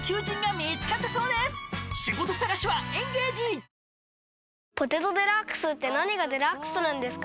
ハロー「ポテトデラックス」って何がデラックスなんですか？